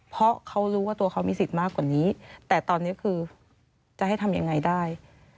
เพราะเขารู้ว่าตัวเขามีสิทธิ์มากกว่านี้แต่ตอนนี้คือจะให้ทำยังไงได้